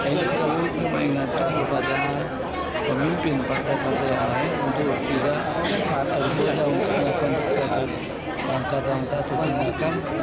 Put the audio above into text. ini selalu mengingatkan kepada pemimpin partai partai yang lain untuk tidak terhubungkan dengan langkah langkah atau tindakan